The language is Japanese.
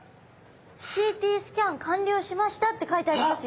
「ＣＴスキャン完了しました」って書いてありますよ。